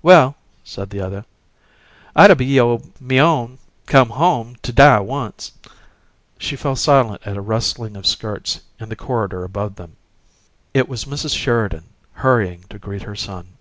"Well," said the other, "I'd a b'y o' me own come home t' die once " She fell silent at a rustling of skirts in the corridor above them. It was Mrs. Sheridan hurrying to greet her son.